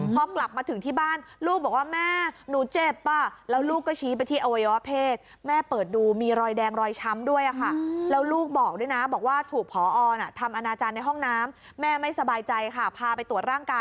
พอกลับมาถึงที่บ้านลูกบอกว่าแม่หนูเจ็บป่ะ